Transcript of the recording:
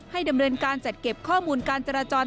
ดำเนินการจัดเก็บข้อมูลการจราจร